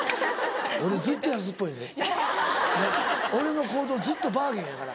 俺の行動ずっとバーゲンやから。